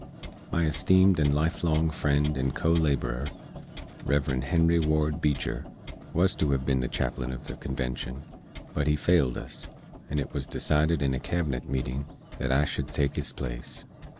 My esteemed and life long friend and co laborer, Rev. Henry Ward Beecher, wuz to hev bin the chaplin uv the convenshun, but he failed us, and it wuz decided in a Cabinet meetin that I shood take his place.